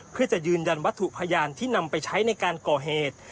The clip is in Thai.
เพื่อจะยืนยันวัตถุพยานที่นำไปใช้ในการก่อเหตุ